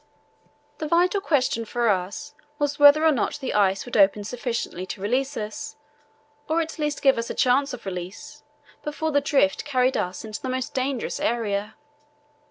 The vital question for us was whether or not the ice would open sufficiently to release us, or at least give us a chance of release, before the drift carried us into the most dangerous area.